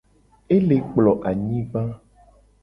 Ele kplo anyigba.